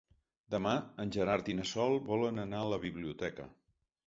Demà en Gerard i na Sol volen anar a la biblioteca.